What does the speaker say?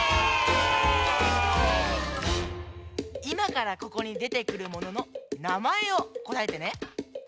いまからここにでてくるもののなまえをこたえてね。